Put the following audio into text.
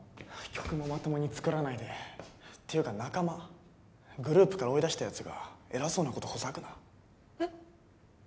曲もまともに作らないでていうか仲間グループから追い出したやつが偉そうなことほざくなえっ？